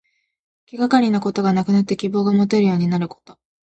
気がかりなことがなくなって希望がもてるようになること。